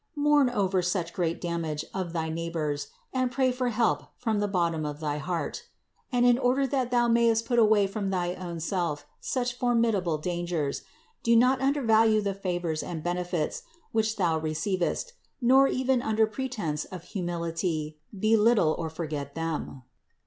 Mourn, over such great damage of thy neighbors and pray for help from the bottom of thy heart. And in order that thou mayest put away from thy own self such formidable dangers, do not undervalue the favors and benefits, which thou receivest, nor, even under pretense of humil 128 CITY OF GOD ity, belittle or forget them.